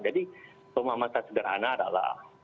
jadi pemahaman saya sederhana adalah